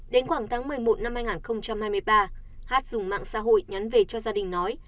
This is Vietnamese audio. đến khoảng tháng một mươi một năm hai nghìn hai mươi ba hát dùng mạng xã hội nhắn về cho gia đình nói